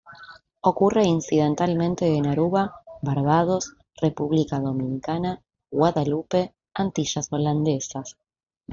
Ocurre incidentalmente en Aruba, Barbados, República Dominicana, Guadalupe, Antillas Holandesas.